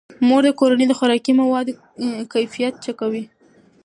مور د کورنۍ د خوراکي موادو کیفیت چک کوي.